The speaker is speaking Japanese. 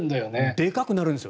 でかくなるんですよ。